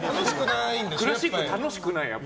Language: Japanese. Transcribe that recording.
クラシック、楽しくない。